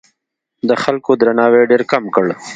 د خلکو درناوی ډېر کم کړ.